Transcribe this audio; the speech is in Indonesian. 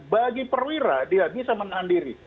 kalau itu perwira dia bisa menahan diri